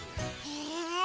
へえ。